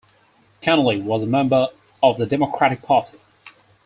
Kennelly was a member of the Democratic Party.